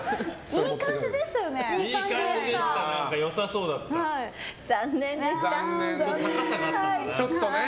いい感じでしたよね？